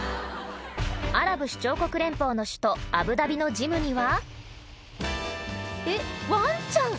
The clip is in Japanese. アラブ首長国連邦の首都アブダビのジムにはえっワンちゃん！